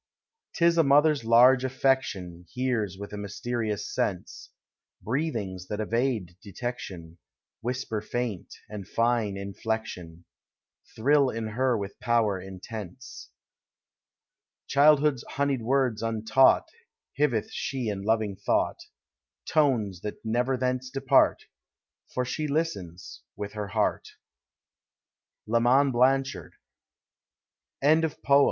'T is a mother's large affection Hears with a mysterious sense, — Breathings that evade detection, Whisper faint, and fine iulleetion. Thrill in her with power intense. Childhood's honeyed words untaught liiveth she iu loving thought, — Tones that never theme depart; For she listens— with her heart. LA MAN 15 LAN (.'HARD. BEDTIME.